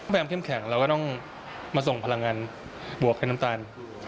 พยายามแข็งแล้วก็ต้องมาส่งพลังงานบวกให้น้ำตาล